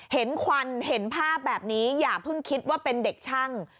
ควันเห็นภาพแบบนี้อย่าเพิ่งคิดว่าเป็นเด็กช่าง